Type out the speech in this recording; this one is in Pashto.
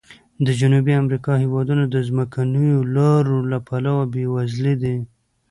د جنوبي امریکا هېوادونه د ځمکنیو لارو له پلوه بې وزلي دي.